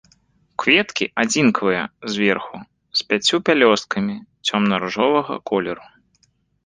Кветкі адзінкавыя, зверху, з пяццю пялёсткамі, цёмна-ружовага колеру.